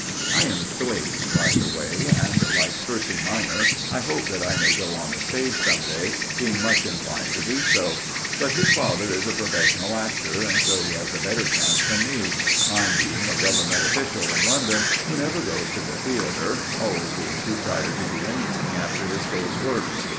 I am Thwaites, by the way, and, like Percy minor, I hope that I may go on the stage some day, being much inclined to do so. But his father is a professional actor, and so he has a better chance than me, mine being a Government official in London, who never goes to the theatre, always being too tired to do anything after his day's work.